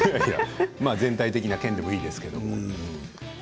全体的な件でいいですけれども。